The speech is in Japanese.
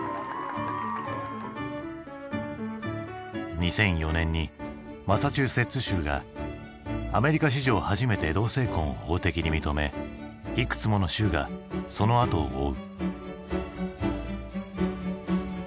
２００４年にマサチューセッツ州がアメリカ史上初めて同性婚を法的に認めいくつもの州がそのあとを追う。